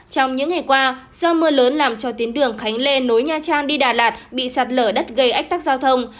trong những ngày qua do mưa lớn làm cho tuyến đường khánh lê nối nha trang đi đà lạt bị sạt lở đất gây ách tắc giao thông